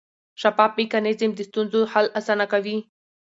شفاف میکانیزم د ستونزو حل اسانه کوي.